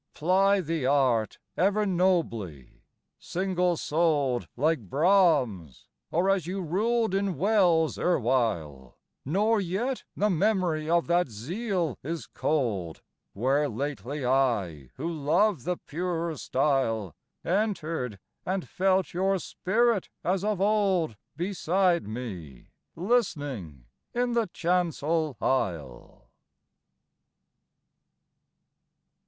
Ply the art ever nobly, single soul'd Like Brahms, or as you ruled in Wells erewhile, Nor yet the memory of that zeal is cold Where lately I, who love the purer style, Enter'd, and felt your spirit as of old Beside me, listening in the chancel aisle.